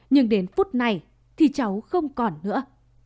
nhưng đến phút này thì cháu không còn nữa